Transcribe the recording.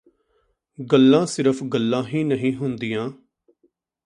ਗੱਲਾਂ ਸਿਰਫ ਗੱਲਾਂ ਹੀ ਨਹੀਂ ਹੁੰਦੀਆਂ